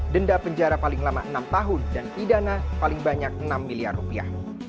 denda penjara paling lama enam tahun dan pidana paling banyak enam miliar rupiah